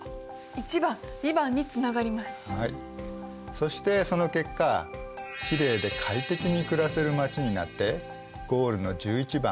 そしてその結果きれいで快適に暮らせるまちになってゴールの１１番。